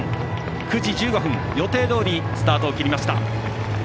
９時１５分、予定どおりスタートを切りました。